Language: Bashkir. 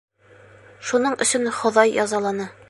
Шуның өсөн Хоҙай язаланы.